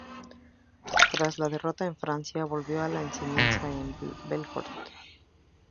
Tras la derrota de Francia, volvió a la enseñanza en Belfort.